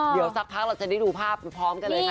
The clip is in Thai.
เดี๋ยวสักพักเราจะได้ดูภาพพร้อมกันเลยค่ะ